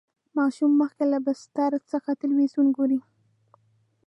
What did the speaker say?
ماشوم مخکې له بستر څخه تلویزیون ګوري.